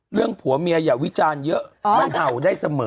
ผัวเมียอย่าวิจารณ์เยอะมันเห่าได้เสมอ